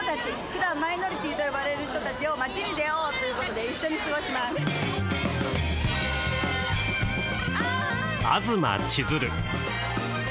普段「マイノリティー」と呼ばれる人達を街に出ようということで一緒に過ごしますああっ！